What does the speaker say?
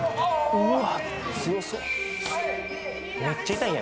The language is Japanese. うわ！